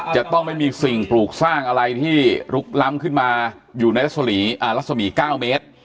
จะต้องไม่มีสิ่งปลูกสร้างอะไรที่ลุกล้ำขึ้นมาอยู่ในรัศมี๙เมตร